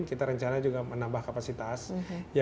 kita rencana juga menambah kapasitas